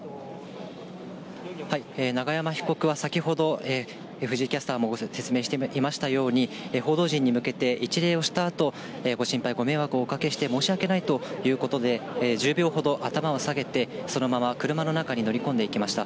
永山被告は先ほど、藤井キャスターも説明していましたように、報道陣に向けて一礼をしたあと、ご心配、ご迷惑をおかけして申し訳ないということで、１０秒ほど、頭を下げてそのまま車の中に乗り込んでいきました。